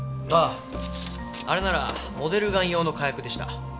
あああれならモデルガン用の火薬でした。